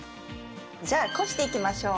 じゃあこしていきましょう。